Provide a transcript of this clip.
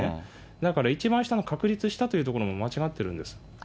だから一番下の確立したというところも間違っているんです。